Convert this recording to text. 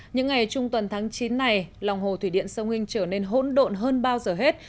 những ngày trung tuần tháng chín này lòng hồ thủy điện sông hinh trở nên hỗn độn hơn bao giờ hết